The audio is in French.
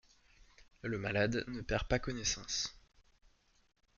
Le malade ne perd pas connaissance.